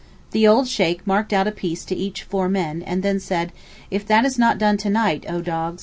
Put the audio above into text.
The old Sheykh marked out a piece to each four men, and then said, 'If that is not done to night, Oh dogs!